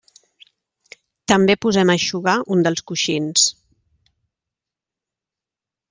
També posem a eixugar un dels coixins.